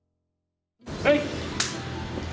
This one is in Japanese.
はい。